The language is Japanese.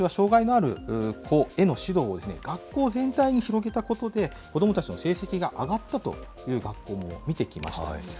私は障害のある子への指導を、学校全体に広げたことで、子どもたちの成績が上がったという学校も見てきました。